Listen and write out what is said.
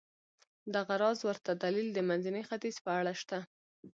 دغه راز بل ورته دلیل د منځني ختیځ په اړه شته.